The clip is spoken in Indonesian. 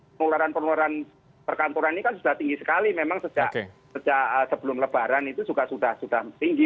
penularan penularan perkantoran ini kan sudah tinggi sekali memang sejak sebelum lebaran itu juga sudah tinggi